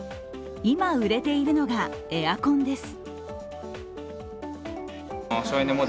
今、売れているのがエアコンです。